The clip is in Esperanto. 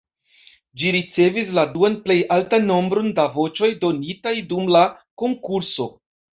Ĝi ricevis la duan plej altan nombron da voĉoj donitaj dum la konkurso.